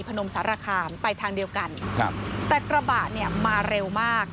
นมสารคามไปทางเดียวกันครับแต่กระบะเนี่ยมาเร็วมาก